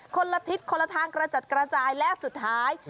คนละทิศคนละทางกระจัดกระจายและสุดท้าย